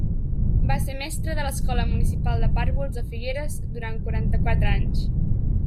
Va ser mestre de l'escola municipal de pàrvuls de Figueres durant quaranta-quatre anys.